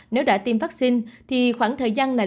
nếu đã tiêm vaccine thì khoảng thời gian này